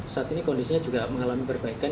saat ini kondisinya juga mengalami perbaikan